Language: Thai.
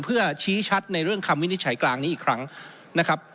เพื่อชี้ชัดในเรื่องคำวินิจฉัยกลางนี้อีกครั้งนะครับ